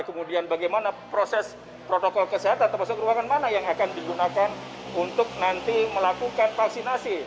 kemudian bagaimana proses protokol kesehatan termasuk ruangan mana yang akan digunakan untuk nanti melakukan vaksinasi